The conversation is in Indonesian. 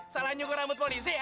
salah nyukur rambut polisi ya